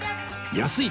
安い！